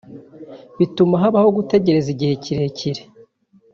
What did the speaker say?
bituma habaho gutegereza igihe kirekire